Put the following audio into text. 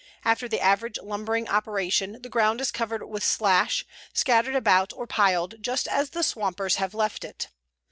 After the average lumbering operation the ground is covered with slash, scattered about or piled, just as the swampers have left it.